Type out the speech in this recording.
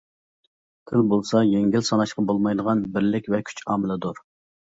تىل بولسا يەڭگىل ساناشقا بولمايدىغان بىرلىك ۋە كۈچ ئامىلىدۇر.